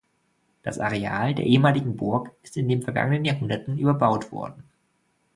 Das Areal der ehemaligen Burg ist in den vergangenen Jahrhunderten überbaut worden.